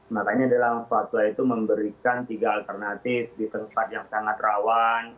makanya dalam fatwa itu memberikan tiga alternatif di tempat yang sangat rawan